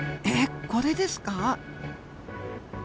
えっこれですか？